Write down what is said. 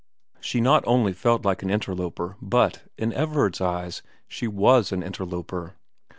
She not only felt like an interloper but, in Everard's eyes, she was an interloper.